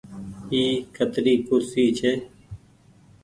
اي ڪتري ڪُرسي ڇي۔